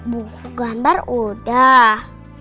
buku gambar udah